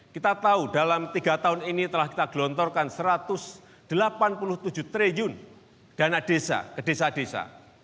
kita tahu dalam tiga tahun ini telah kita gelontorkan rp satu ratus delapan puluh tujuh triliun dana desa ke desa desa